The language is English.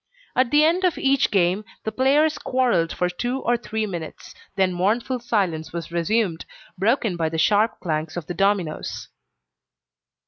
At the end of each game, the players quarrelled for two or three minutes, then mournful silence was resumed, broken by the sharp clanks of the dominoes.